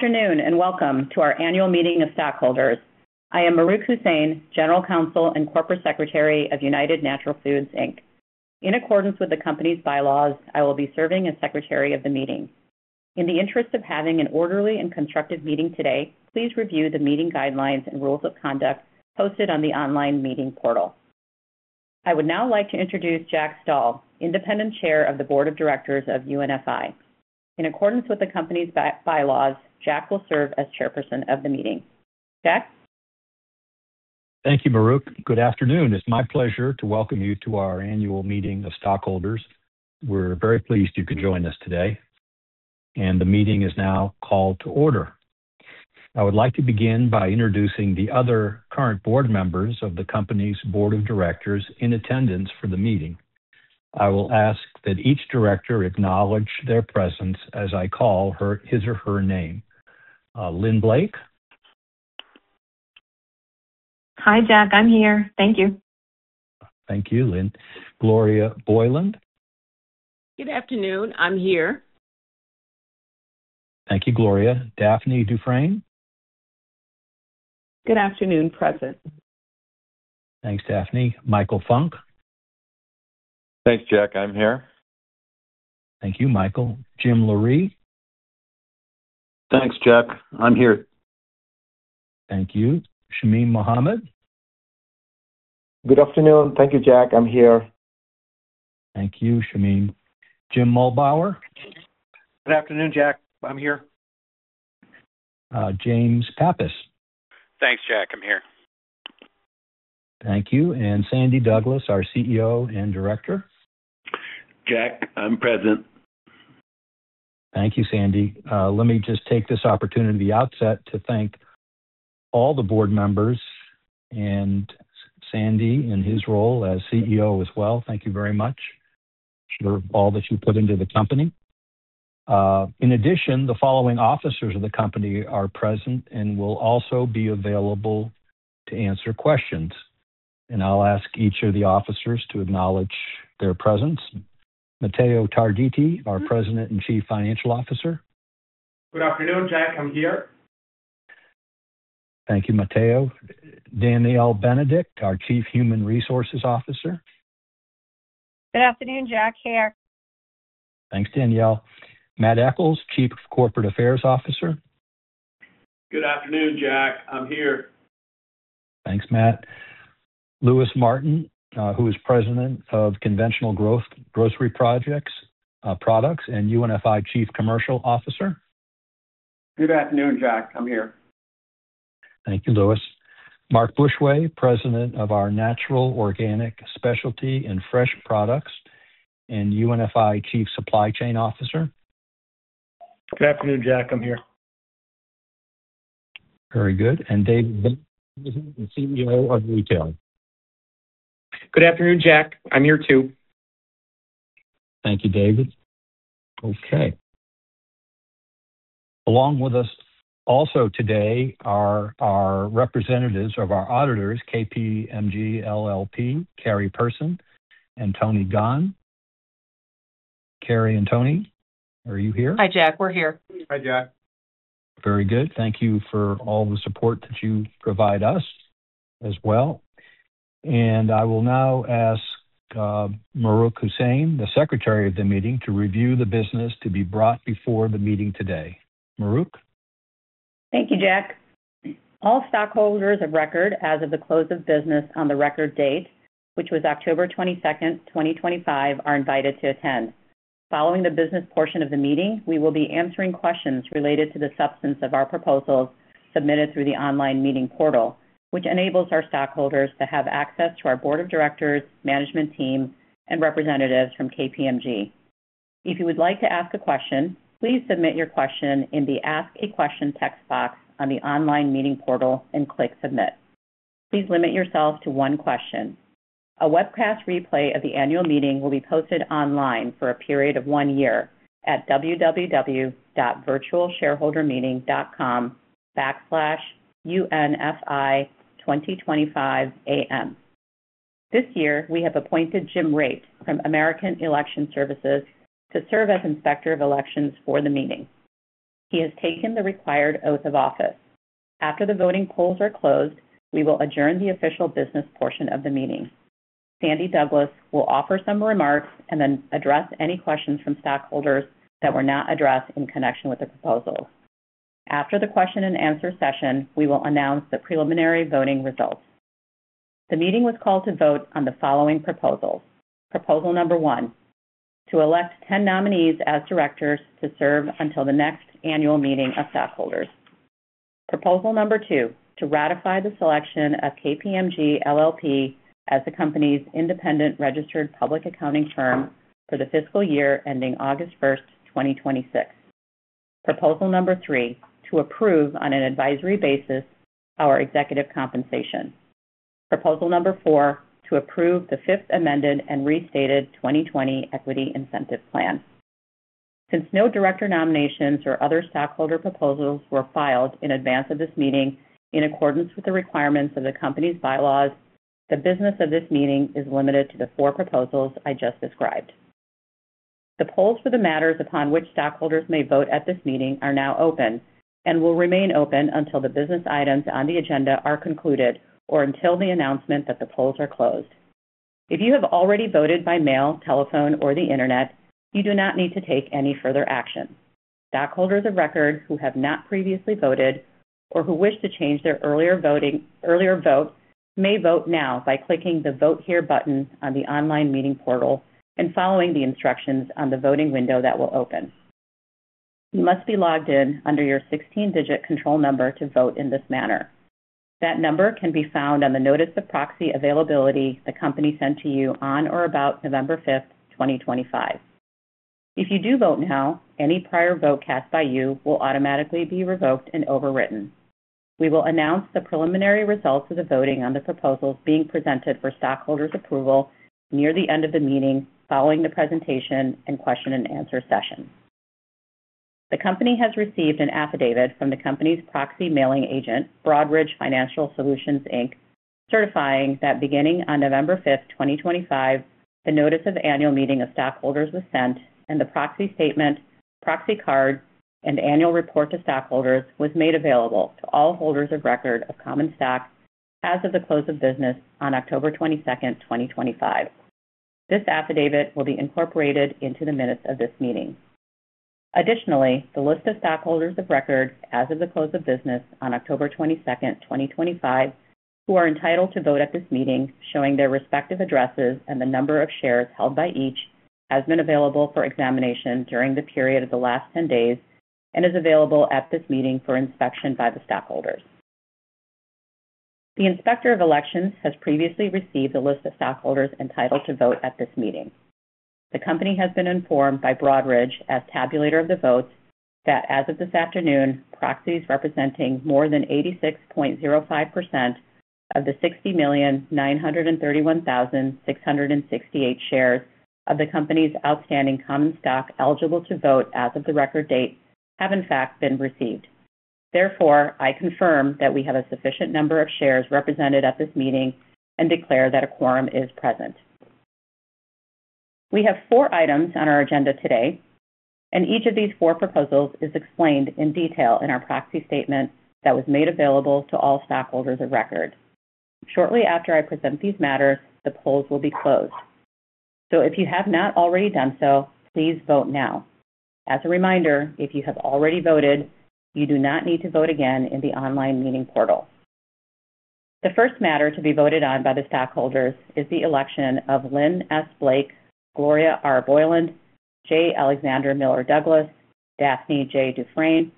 Good afternoon and welcome to our annual meeting of stakeholders. I am Mahrukh Hussain, General Counsel and Corporate Secretary of United Natural Foods, Inc. In accordance with the company's bylaws, I will be serving as Secretary of the meeting. In the interest of having an orderly and constructive meeting today, please review the meeting guidelines and rules of conduct posted on the online meeting portal. I would now like to introduce Jack Stahl, Independent Chair of the Board of Directors of UNFI. In accordance with the company's bylaws, Jack will serve as Chairperson of the meeting. Jack? Thank you, Mahrukh. Good afternoon. It's my pleasure to welcome you to our annual meeting of stakeholders. We're very pleased you could join us today, and the meeting is now called to order. I would like to begin by introducing the other current board members of the company's Board of Directors in attendance for the meeting. I will ask that each director acknowledge their presence as I call his or her name. Lynn Blake? Hi, Jack. I'm here. Thank you. Thank you, Lynn. Gloria Boyland? Good afternoon. I'm here. Thank you, Gloria. Daphne Dufresne? Good afternoon. Present. Thanks, Daphne. Michael Funk? Thanks, Jack. I'm here. Thank you, Michael. Jim Loree? Thanks, Jack. I'm here. Thank you. Shamim Mohammed? Good afternoon. Thank you, Jack. I'm here. Thank you, Shamim. Jim Muehlbauer? Good afternoon, Jack. I'm here. James Pappas? Thanks, Jack. I'm here. Thank you, and Sandy Douglas, our CEO and Director? Jack, I'm present. Thank you, Sandy. Let me just take this opportunity at the outset to thank all the board members and Sandy in his role as CEO as well. Thank you very much for all that you put into the company. In addition, the following officers of the company are present and will also be available to answer questions. And I'll ask each of the officers to acknowledge their presence. Matteo Tarditi, our President and Chief Financial Officer? Good afternoon, Jack. I'm here. Thank you, Matteo. Danielle Benedict, our Chief Human Resources Officer? Good afternoon, Jack. Here. Thanks, Danielle. Matt Echols, Chief Corporate Affairs Officer? Good afternoon, Jack. I'm here. Thanks, Matt. Louis Martin, who is President of Conventional Growth Grocery Products and UNFI Chief Commercial Officer? Good afternoon, Jack. I'm here. Thank you, Louis. Mark Bushway, President of our Natural Organic Specialty and Fresh Products and UNFI Chief Supply Chain Officer. Good afternoon, Jack. I'm here. Very good. And David Williamson, CEO of Retail? Good afternoon, Jack. I'm here too. Thank you, David. Okay. Along with us also today are our representatives of our auditors, KPMG LLP, Kari Person, and Tony Gahn. Kari and Tony, are you here? Hi, Jack. We're here. Hi, Jack. Very good. Thank you for all the support that you provide us as well. I will now ask Mahrukh Hussain, the Secretary of the meeting, to review the business to be brought before the meeting today. Mahrukh? Thank you, Jack. All stakeholders of record as of the close of business on the record date, which was October 22nd, 2025, are invited to attend. Following the business portion of the meeting, we will be answering questions related to the substance of our proposals submitted through the online meeting portal, which enables our stakeholders to have access to our Board of Directors, management team, and representatives from KPMG. If you would like to ask a question, please submit your question in the Ask a Question text box on the online meeting portal and click submit. Please limit yourself to one question. A webcast replay of the annual meeting will be posted online for a period of one year at www.virtualshareholdermeeting.com/unfi2025am. This year, we have appointed Jim Raitt from American Election Services to serve as Inspector of Elections for the meeting. He has taken the required oath of office. After the voting polls are closed, we will adjourn the official business portion of the meeting. Sandy Douglas will offer some remarks and then address any questions from stakeholders that were not addressed in connection with the proposals. After the question-and-answer session, we will announce the preliminary voting results. The meeting was called to vote on the following proposals. Proposal number one: to elect 10 nominees as directors to serve until the next annual meeting of stakeholders. Proposal number two: to ratify the selection of KPMG LLP as the company's independent registered public accounting firm for the fiscal year ending August 1st, 2026. Proposal number three: to approve on an advisory basis our executive compensation. Proposal number four: to approve the Fifth Amended and Restated 2020 Equity Incentive Plan. Since no director nominations or other stakeholder proposals were filed in advance of this meeting in accordance with the requirements of the company's bylaws, the business of this meeting is limited to the four proposals I just described. The polls for the matters upon which stakeholders may vote at this meeting are now open and will remain open until the business items on the agenda are concluded or until the announcement that the polls are closed. If you have already voted by mail, telephone, or the internet, you do not need to take any further action. Stakeholders of record who have not previously voted or who wish to change their earlier vote may vote now by clicking the Vote Here button on the online meeting portal and following the instructions on the voting window that will open. You must be logged in under your 16-digit control number to vote in this manner. That number can be found on the Notice of Proxy Availability the company sent to you on or about November 5th, 2025. If you do vote now, any prior vote cast by you will automatically be revoked and overwritten. We will announce the preliminary results of the voting on the proposals being presented for stakeholders' approval near the end of the meeting following the presentation and question-and-answer session. The company has received an affidavit from the company's proxy mailing agent, Broadridge Financial Solutions, Inc., certifying that beginning on November 5th, 2025, the Notice of Annual Meeting of Stakeholders was sent and the proxy statement, proxy card, and annual report to stakeholders was made available to all holders of record of common stock as of the close of business on October 22nd, 2025. This affidavit will be incorporated into the minutes of this meeting. Additionally, the list of stakeholders of record as of the close of business on October 22nd, 2025, who are entitled to vote at this meeting, showing their respective addresses and the number of shares held by each, has been available for examination during the period of the last 10 days and is available at this meeting for inspection by the stakeholders. The Inspector of Elections has previously received a list of stakeholders entitled to vote at this meeting. The company has been informed by Broadridge as tabulator of the votes that as of this afternoon, proxies representing more than 86.05% of the 60,931,668 shares of the company's outstanding common stock eligible to vote as of the record date have, in fact, been received. Therefore, I confirm that we have a sufficient number of shares represented at this meeting and declare that a quorum is present. We have four items on our agenda today, and each of these four proposals is explained in detail in our proxy statement that was made available to all stakeholders of record. Shortly after I present these matters, the polls will be closed. So if you have not already done so, please vote now. As a reminder, if you have already voted, you do not need to vote again in the online meeting portal. The first matter to be voted on by the stakeholders is the election of Lynn S. Blake, Gloria R. Boyland, J. Alexander Miller Douglas, Daphne J. Dufresne,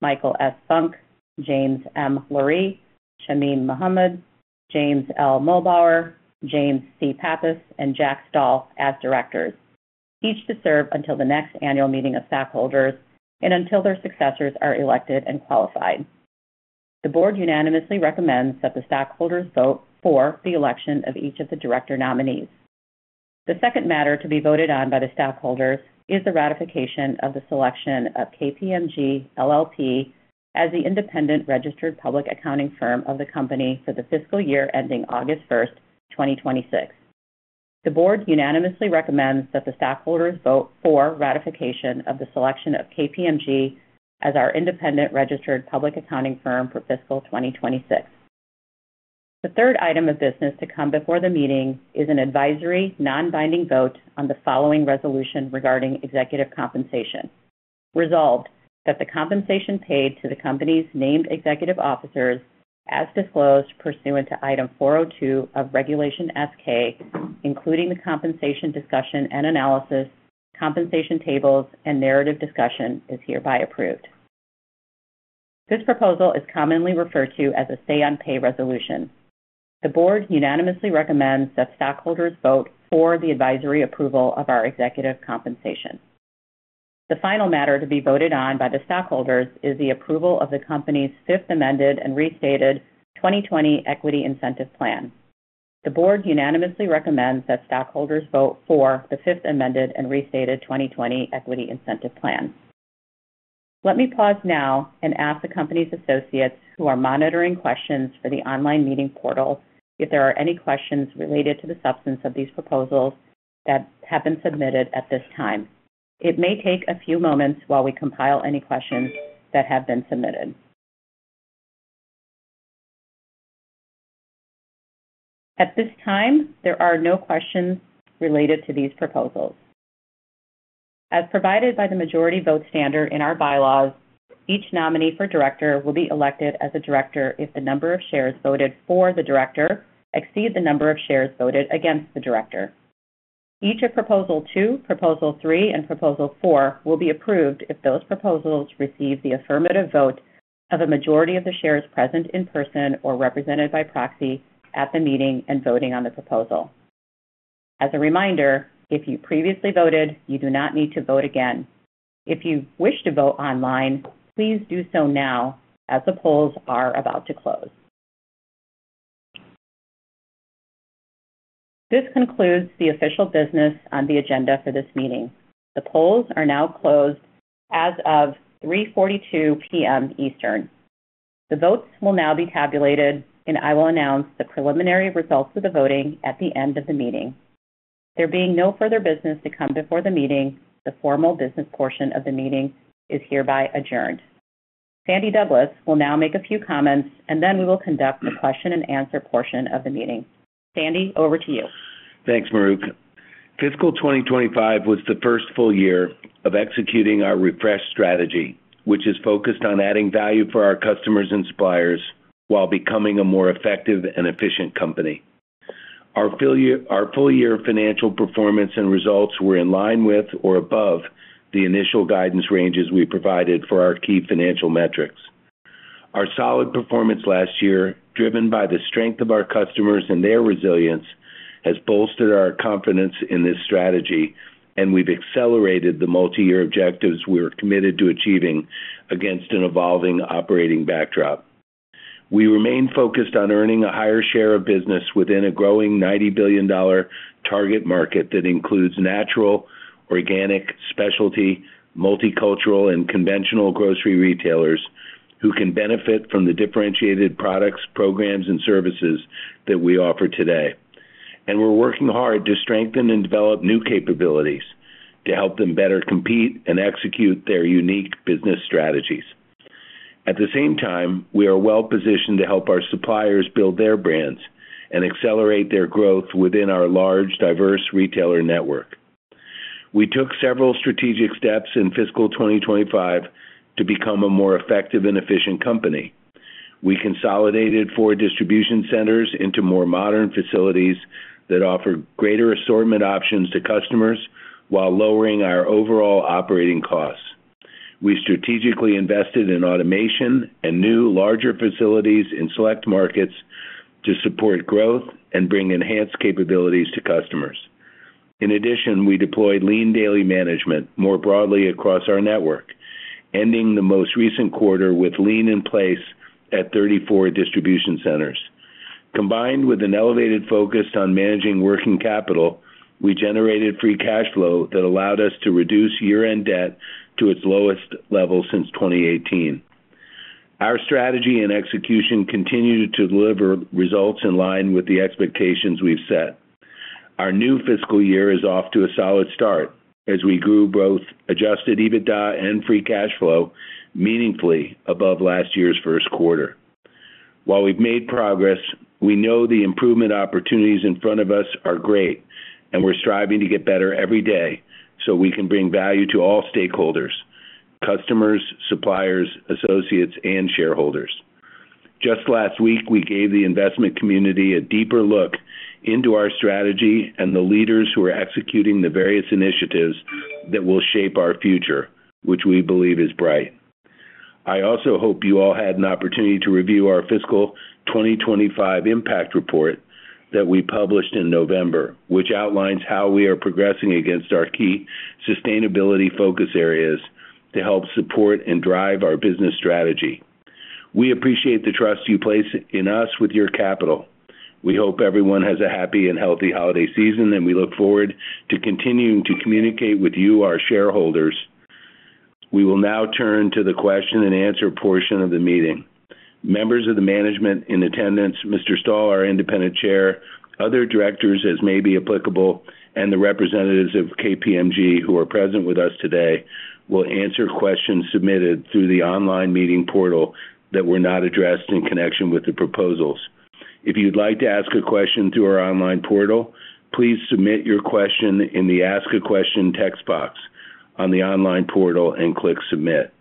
Michael S. Funk, James M. Loree, Shamim Mohammed, James L. Muehlbauer, James C. Pappas, and Jack Stahl as directors, each to serve until the next annual meeting of stakeholders and until their successors are elected and qualified. The board unanimously recommends that the stakeholders vote for the election of each of the director nominees. The second matter to be voted on by the stakeholders is the ratification of the selection of KPMG LLP as the independent registered public accounting firm of the company for the fiscal year ending August 1st, 2026. The board unanimously recommends that the stakeholders vote for ratification of the selection of KPMG as our independent registered public accounting firm for fiscal 2026. The third item of business to come before the meeting is an advisory non-binding vote on the following resolution regarding executive compensation. Resolved that the compensation paid to the company's named executive officers, as disclosed pursuant to item 402 of Regulation S-K, including the compensation discussion and analysis, compensation tables, and narrative discussion, is hereby approved. This proposal is commonly referred to as a say-on-pay resolution. The board unanimously recommends that stakeholders vote for the advisory approval of our executive compensation. The final matter to be voted on by the stakeholders is the approval of the company's Fifth Amended and Restated 2020 Equity Incentive Plan. The board unanimously recommends that stakeholders vote for the Fifth Amended and Restated 2020 Equity Incentive Plan. Let me pause now and ask the company's associates who are monitoring questions for the online meeting portal if there are any questions related to the substance of these proposals that have been submitted at this time. It may take a few moments while we compile any questions that have been submitted. At this time, there are no questions related to these proposals. As provided by the majority vote standard in our bylaws, each nominee for director will be elected as a director if the number of shares voted for the director exceed the number of shares voted against the director. Each of Proposal 2, Proposal 3, and Proposal 4 will be approved if those proposals receive the affirmative vote of a majority of the shares present in person or represented by proxy at the meeting and voting on the proposal. As a reminder, if you previously voted, you do not need to vote again. If you wish to vote online, please do so now as the polls are about to close. This concludes the official business on the agenda for this meeting. The polls are now closed as of 3:42 PM Eastern. The votes will now be tabulated, and I will announce the preliminary results of the voting at the end of the meeting. There being no further business to come before the meeting, the formal business portion of the meeting is hereby adjourned. Sandy Douglas will now make a few comments, and then we will conduct the question-and-answer portion of the meeting. Sandy, over to you. Thanks, Mahrukh. Fiscal 2025 was the first full year of executing our refresh strategy, which is focused on adding value for our customers and suppliers while becoming a more effective and efficient company. Our full-year financial performance and results were in line with or above the initial guidance ranges we provided for our key financial metrics. Our solid performance last year, driven by the strength of our customers and their resilience, has bolstered our confidence in this strategy, and we've accelerated the multi-year objectives we were committed to achieving against an evolving operating backdrop. We remain focused on earning a higher share of business within a growing $90 billion target market that includes natural, organic, specialty, multicultural, and conventional grocery retailers who can benefit from the differentiated products, programs, and services that we offer today. We're working hard to strengthen and develop new capabilities to help them better compete and execute their unique business strategies. At the same time, we are well positioned to help our suppliers build their brands and accelerate their growth within our large, diverse retailer network. We took several strategic steps in fiscal 2025 to become a more effective and efficient company. We consolidated four distribution centers into more modern facilities that offer greater assortment options to customers while lowering our overall operating costs. We strategically invested in automation and new, larger facilities in select markets to support growth and bring enhanced capabilities to customers. In addition, we deployed Lean Daily Management more broadly across our network, ending the most recent quarter with lean in place at 34 distribution centers. Combined with an elevated focus on managing working capital, we generated free cash flow that allowed us to reduce year-end debt to its lowest level since 2018. Our strategy and execution continue to deliver results in line with the expectations we've set. Our new fiscal year is off to a solid start as we grew growth, Adjusted EBITDA, and free cash flow meaningfully above last year's first quarter. While we've made progress, we know the improvement opportunities in front of us are great, and we're striving to get better every day so we can bring value to all stakeholders: customers, suppliers, associates, and shareholders. Just last week, we gave the investment community a deeper look into our strategy and the leaders who are executing the various initiatives that will shape our future, which we believe is bright. I also hope you all had an opportunity to review our fiscal 2025 impact report that we published in November, which outlines how we are progressing against our key sustainability focus areas to help support and drive our business strategy. We appreciate the trust you place in us with your capital. We hope everyone has a happy and healthy holiday season, and we look forward to continuing to communicate with you, our shareholders. We will now turn to the question-and-answer portion of the meeting. Members of the management in attendance, Mr. Stahl, our Independent Chair, other directors, as may be applicable, and the representatives of KPMG who are present with us today will answer questions submitted through the online meeting portal that were not addressed in connection with the proposals. If you'd like to ask a question through our online portal, please submit your question in the Ask a Question text box on the online portal and click Submit.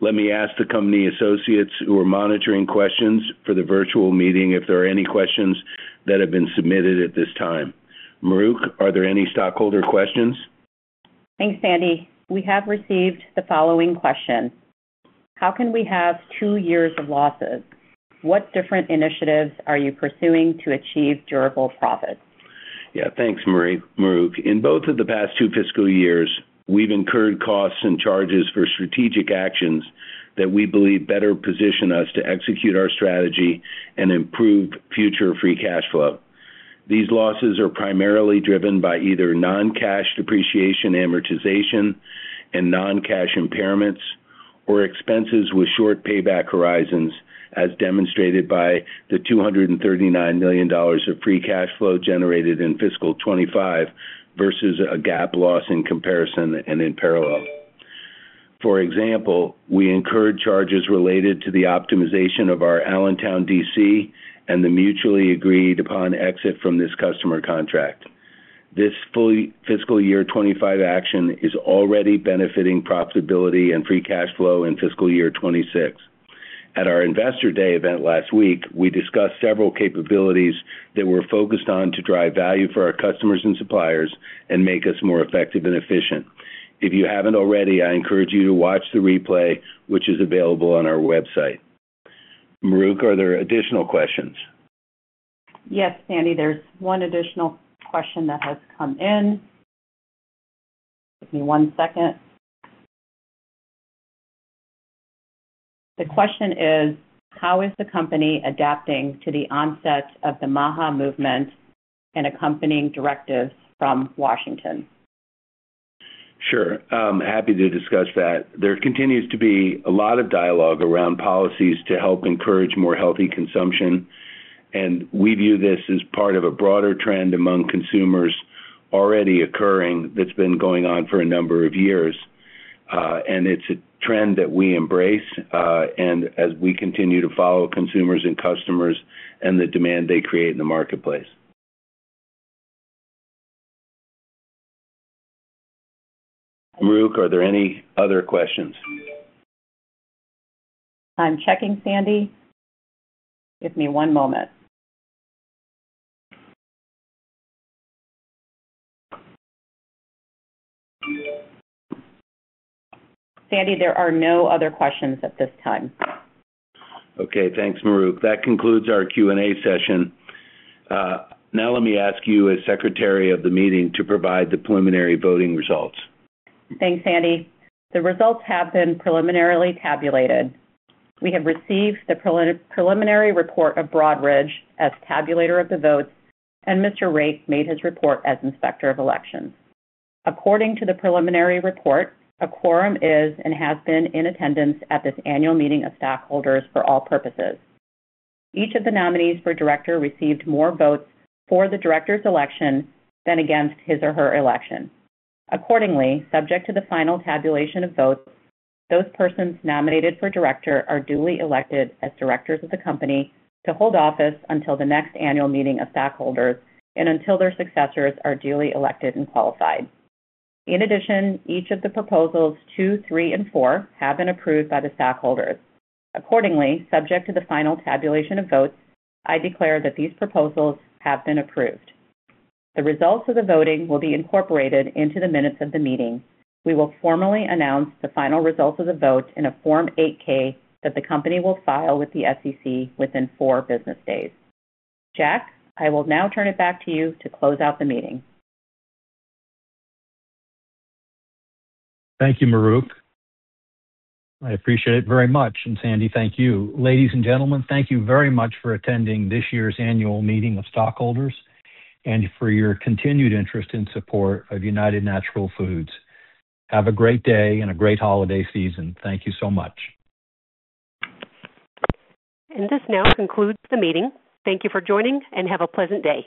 Let me ask the company associates who are monitoring questions for the virtual meeting if there are any questions that have been submitted at this time. Mahrukh, are there any stakeholder questions? Thanks, Sandy. We have received the following question. How can we have two years of losses? What different initiatives are you pursuing to achieve durable profits? Yeah, thanks, Mahrukh. In both of the past two fiscal years, we've incurred costs and charges for strategic actions that we believe better position us to execute our strategy and improve future free cash flow. These losses are primarily driven by either non-cash depreciation amortization and non-cash impairments or expenses with short payback horizons, as demonstrated by the $239 million of free cash flow generated in fiscal 2025 versus a GAAP loss in comparison and in parallel. For example, we incurred charges related to the optimization of our Allentown DC and the mutually agreed upon exit from this customer contract. This fiscal year 2025 action is already benefiting profitability and free cash flow in fiscal year 2026. At our investor day event last week, we discussed several capabilities that we're focused on to drive value for our customers and suppliers and make us more effective and efficient. If you haven't already, I encourage you to watch the replay, which is available on our website. Mahrukh, are there additional questions? Yes, Sandy. There's one additional question that has come in. Give me one second. The question is, how is the company adapting to the onset of the MAHA movement and accompanying directives from Washington? Sure. I'm happy to discuss that. There continues to be a lot of dialogue around policies to help encourage more healthy consumption, and we view this as part of a broader trend among consumers already occurring that's been going on for a number of years. And it's a trend that we embrace as we continue to follow consumers and customers and the demand they create in the marketplace. Mahrukh, are there any other questions? I'm checking, Sandy. Give me one moment. Sandy, there are no other questions at this time. Okay. Thanks, Mahrouq. That concludes our Q&A session. Now, let me ask you as secretary of the meeting to provide the preliminary voting results. Thanks, Sandy. The results have been preliminarily tabulated. We have received the preliminary report of Broadridge as tabulator of the votes, and Mr. Raitt made his report as inspector of elections. According to the preliminary report, a quorum is and has been in attendance at this annual meeting of stakeholders for all purposes. Each of the nominees for director received more votes for the director's election than against his or her election. Accordingly, subject to the final tabulation of votes, those persons nominated for director are duly elected as directors of the company to hold office until the next annual meeting of stakeholders and until their successors are duly elected and qualified. In addition, each of the proposals two, three, and four have been approved by the stakeholders. Accordingly, subject to the final tabulation of votes, I declare that these proposals have been approved. The results of the voting will be incorporated into the minutes of the meeting. We will formally announce the final results of the vote in a Form 8-K that the company will file with the SEC within four business days. Jack, I will now turn it back to you to close out the meeting. Thank you, Mahrukh. I appreciate it very much. And, Sandy, thank you. Ladies and gentlemen, thank you very much for attending this year's annual meeting of stakeholders and for your continued interest and support of United Natural Foods. Have a great day and a great holiday season. Thank you so much. This now concludes the meeting. Thank you for joining, and have a pleasant day.